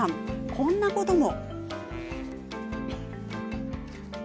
こんなことも。